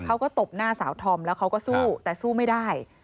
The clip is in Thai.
ตบหน้าสาวธอมแล้วเขาก็สู้แต่สู้ไม่ได้